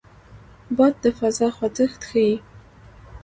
باد د فضا خوځښت ښيي